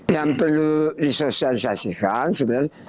yang perlu disosialisasikan sebenarnya